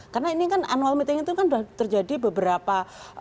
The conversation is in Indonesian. karena ini kan annual meeting itu kan terjadi beberapa puluh kali di indonesia